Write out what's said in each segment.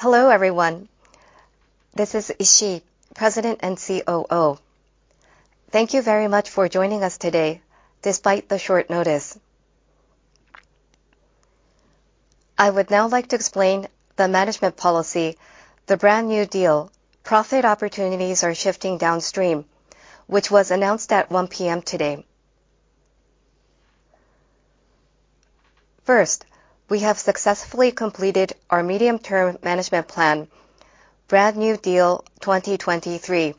Hello everyone, this is Keita Ishii, President and COO. Thank you very much for joining us today despite the short notice. I would now like to explain the management policy, the Brand New Deal, Profit Opportunities Are Shifting Downstream, which was announced at 1:00 P.M. today. First, we have successfully completed our medium-term management plan, Brand New Deal 2023,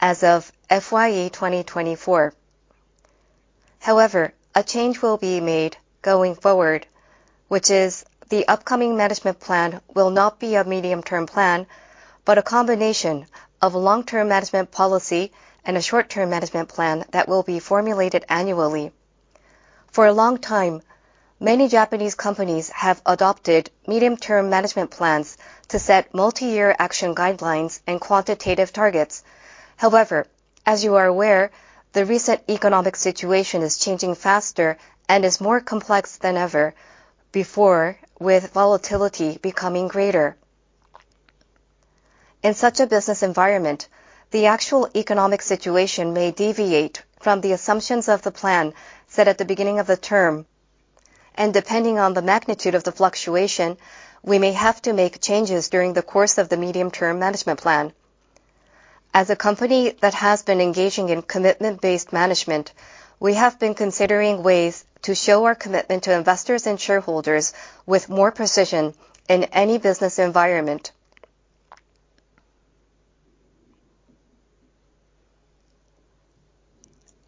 as of FYE 2024. However, a change will be made going forward, which is the upcoming management plan will not be a medium-term plan but a combination of a long-term management policy and a short-term management plan that will be formulated annually. For a long time, many Japanese companies have adopted medium-term management plans to set multi-year action guidelines and quantitative targets. However, as you are aware, the recent economic situation is changing faster and is more complex than ever before, with volatility becoming greater. In such a business environment, the actual economic situation may deviate from the assumptions of the plan set at the beginning of the term, and depending on the magnitude of the fluctuation, we may have to make changes during the course of the medium-term management plan. As a company that has been engaging in commitment-based management, we have been considering ways to show our commitment to investors and shareholders with more precision in any business environment.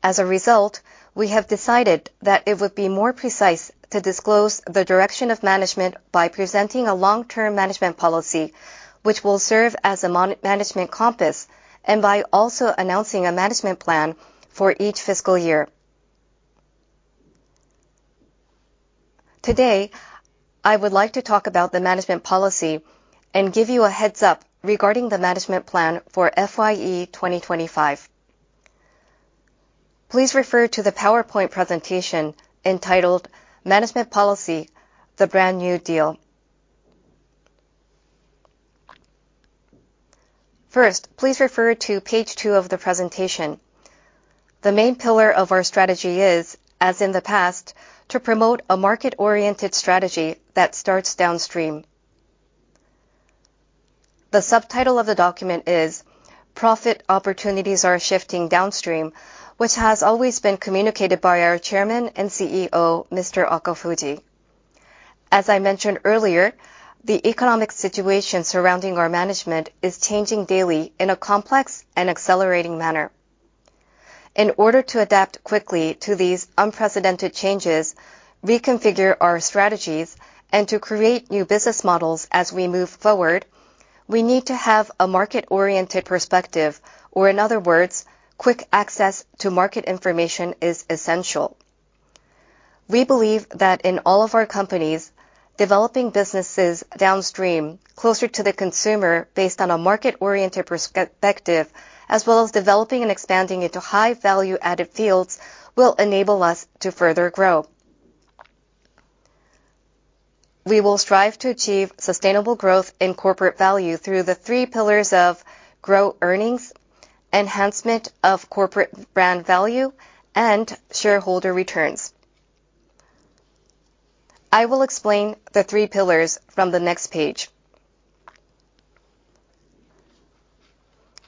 As a result, we have decided that it would be more precise to disclose the direction of management by presenting a long-term management policy, which will serve as a management compass, and by also announcing a management plan for each fiscal year. Today, I would like to talk about the management policy and give you a heads-up regarding the management plan for FYE 2025. Please refer to the PowerPoint presentation entitled Management Policy, the Brand New Deal. First, please refer to page 2 of the presentation. The main pillar of our strategy is, as in the past, to promote a market-oriented strategy that starts downstream. The subtitle of the document is Profit Opportunities Are Shifting Downstream, which has always been communicated by our Chairman and CEO, Mr. Okafuji. As I mentioned earlier, the economic situation surrounding our management is changing daily in a complex and accelerating manner. In order to adapt quickly to these unprecedented changes, reconfigure our strategies, and to create new business models as we move forward, we need to have a market-oriented perspective, or in other words, quick access to market information is essential. We believe that in all of our companies, developing businesses downstream closer to the consumer based on a market-oriented perspective, as well as developing and expanding into high-value-added fields, will enable us to further grow. We will strive to achieve sustainable growth in corporate value through the three pillars of growth earnings, enhancement of corporate brand value, and shareholder returns. I will explain the three pillars from the next page.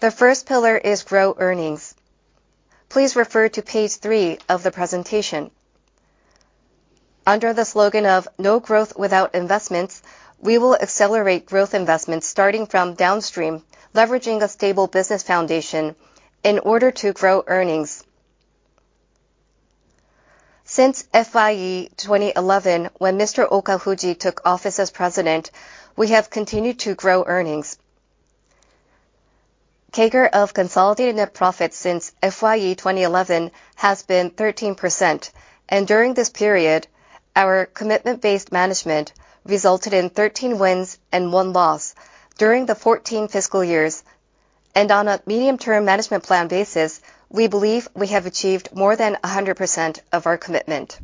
The first pillar is growth earnings. Please refer to page 3 of the presentation. Under the slogan of No Growth Without Investments, we will accelerate growth investments starting from downstream, leveraging a stable business foundation in order to grow earnings. Since FYE 2011, when Mr. Okafuji took office as President, we have continued to grow earnings. CAGR of consolidated net profit since FYE 2011 has been 13%, and during this period, our commitment-based management resulted in 13 wins and 1 loss during the 14 fiscal years, and on a medium-term management plan basis, we believe we have achieved more than 100% of our commitment.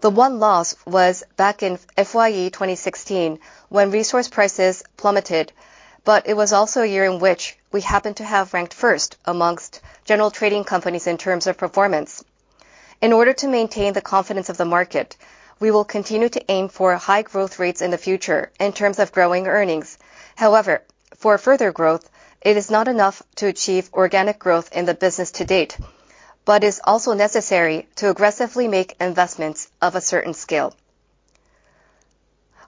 The 1 loss was back in FYE 2016 when resource prices plummeted, but it was also a year in which we happened to have ranked first amongst general trading companies in terms of performance. In order to maintain the confidence of the market, we will continue to aim for high growth rates in the future in terms of growing earnings. However, for further growth, it is not enough to achieve organic growth in the business to date, but is also necessary to aggressively make investments of a certain scale.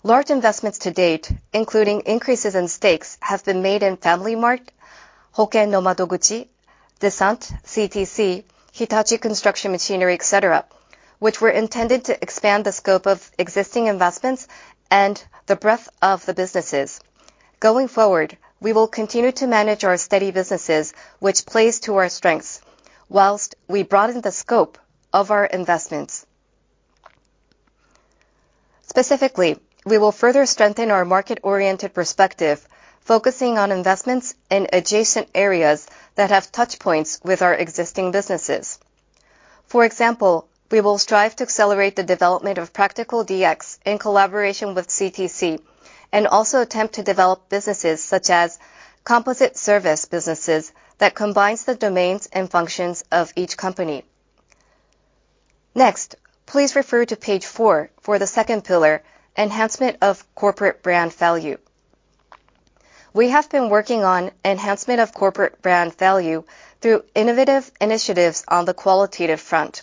Large investments to date, including increases in stakes, have been made in FamilyMart, Hoken no Madoguchi, Descente, CTC, Hitachi Construction Machinery, etc., which were intended to expand the scope of existing investments and the breadth of the businesses. Going forward, we will continue to manage our steady businesses, which plays to our strengths, whilst we broaden the scope of our investments. Specifically, we will further strengthen our market-oriented perspective, focusing on investments in adjacent areas that have touch points with our existing businesses. For example, we will strive to accelerate the development of practical DX in collaboration with CTC, and also attempt to develop businesses such as composite service businesses that combine the domains and functions of each company. Next, please refer to page 4 for the second pillar, Enhancement of Corporate Brand Value. We have been working on enhancement of corporate brand value through innovative initiatives on the qualitative front.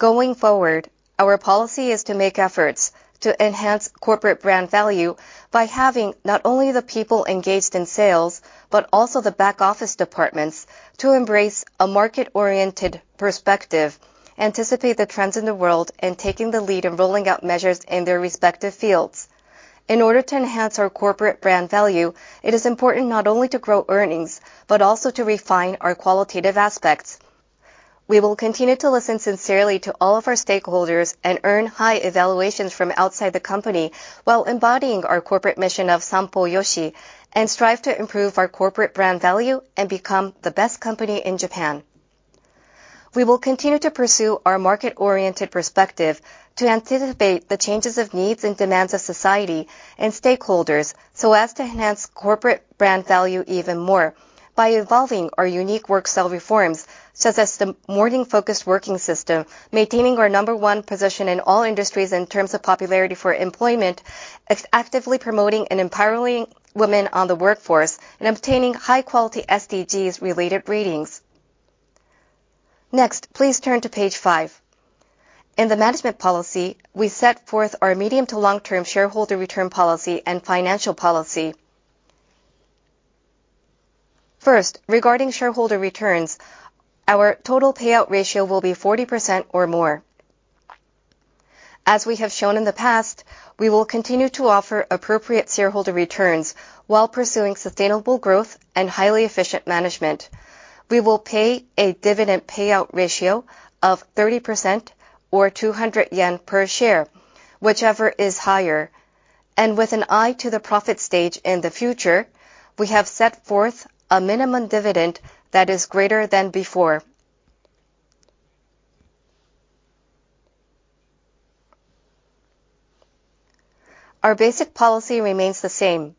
Going forward, our policy is to make efforts to enhance corporate brand value by having not only the people engaged in sales but also the back office departments to embrace a market-oriented perspective, anticipate the trends in the world, and take the lead in rolling out measures in their respective fields. In order to enhance our corporate brand value, it is important not only to grow earnings but also to refine our qualitative aspects. We will continue to listen sincerely to all of our stakeholders and earn high evaluations from outside the company while embodying our corporate mission of Sampo Yoshi, and strive to improve our corporate brand value and become the best company in Japan. We will continue to pursue our market-oriented perspective to anticipate the changes of needs and demands of society and stakeholders so as to enhance corporate brand value even more by evolving our unique work-style reforms, such as the morning-focused working system, maintaining our number one position in all industries in terms of popularity for employment, actively promoting and empowering women on the workforce, and obtaining high-quality SDGs-related ratings. Next, please turn to page 5. In the management policy, we set forth our medium- to long-term shareholder return policy and financial policy. First, regarding shareholder returns, our total payout ratio will be 40% or more. As we have shown in the past, we will continue to offer appropriate shareholder returns while pursuing sustainable growth and highly efficient management. We will pay a dividend payout ratio of 30% or 200 yen per share, whichever is higher, and with an eye to the profit stage in the future, we have set forth a minimum dividend that is greater than before. Our basic policy remains the same: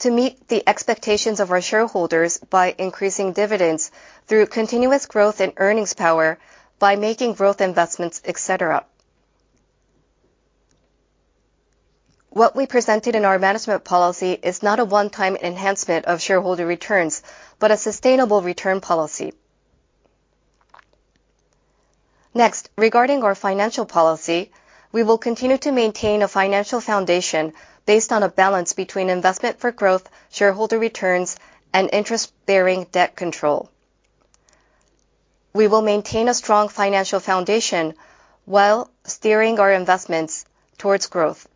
to meet the expectations of our shareholders by increasing dividends through continuous growth in earnings power, by making growth investments, etc. What we presented in our management policy is not a one-time enhancement of shareholder returns but a sustainable return policy. Next, regarding our financial policy, we will continue to maintain a financial foundation based on a balance between investment for growth, shareholder returns, and interest-bearing debt control. We will maintain a strong financial foundation while steering our investments towards growth.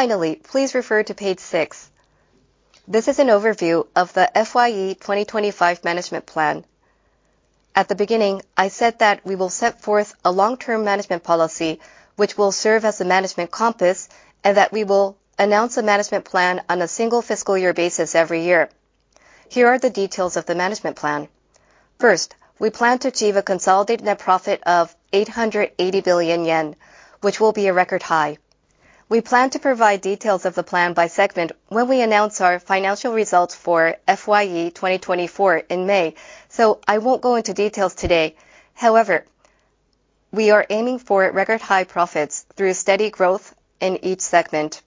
Finally, please refer to page 6. This is an overview of the FYE 2025 management plan. At the beginning, I said that we will set forth a long-term management policy, which will serve as a management compass, and that we will announce a management plan on a single fiscal year basis every year. Here are the details of the management plan. First, we plan to achieve a consolidated net profit of 880 billion yen, which will be a record high. We plan to provide details of the plan by segment when we announce our financial results for FYE 2024 in May, so I won't go into details today. However, we are aiming for record high profits through steady growth in each segment.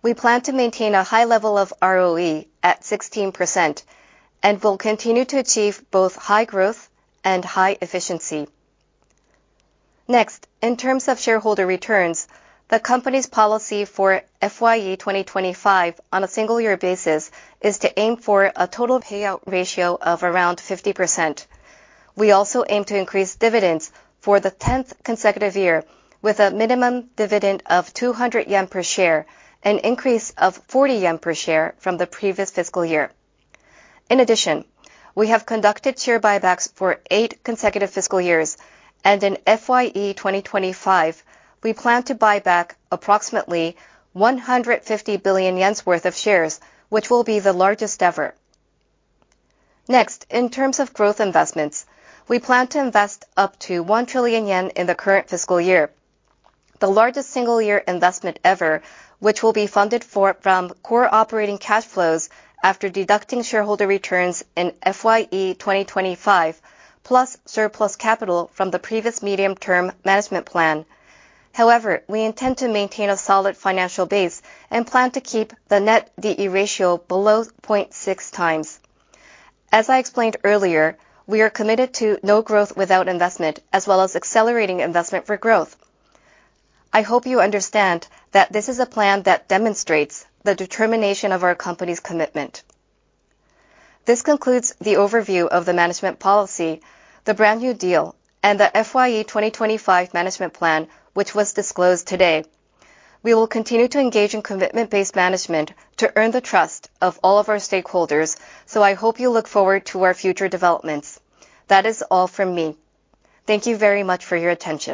We plan to maintain a high level of ROE at 16% and will continue to achieve both high growth and high efficiency. Next, in terms of shareholder returns, the company's policy for FYE 2025 on a single-year basis is to aim for a total payout ratio of around 50%. We also aim to increase dividends for the 10th consecutive year, with a minimum dividend of 200 yen per share, an increase of 40 yen per share from the previous fiscal year. In addition, we have conducted share buybacks for eight consecutive fiscal years, and in FYE 2025, we plan to buy back approximately 150 billion worth of shares, which will be the largest ever. Next, in terms of growth investments, we plan to invest up to 1 trillion yen in the current fiscal year, the largest single-year investment ever, which will be funded from core operating cash flows after deducting shareholder returns in FYE 2025 plus surplus capital from the previous medium-term management plan. However, we intend to maintain a solid financial base and plan to keep the net DE ratio below 0.6 times. As I explained earlier, we are committed to no growth without investment, as well as accelerating investment for growth. I hope you understand that this is a plan that demonstrates the determination of our company's commitment. This concludes the overview of the management policy, the Brand New Deal, and the FYE 2025 management plan, which was disclosed today. We will continue to engage in commitment-based management to earn the trust of all of our stakeholders, so I hope you look forward to our future developments. That is all from me. Thank you very much for your attention.